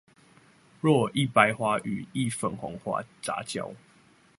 若一白花與一粉紅花雜交